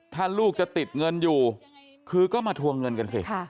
ถ้าลูกจะติดเงินอยู่คือก็มาทวงเงินกันสิ